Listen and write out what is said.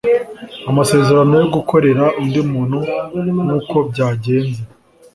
Amasezerano yo gukorera undi muntu nkuko byagenze